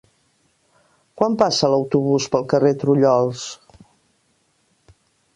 Quan passa l'autobús pel carrer Trullols?